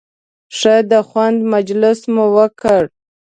ښه د خوند مجلس مو وکړ.